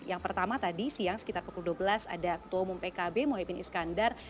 yang pertama tadi siang sekitar pukul dua belas ada ketua umum pkb mohaimin iskandar